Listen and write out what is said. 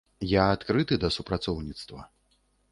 Я адкрыты да супрацоўніцтва.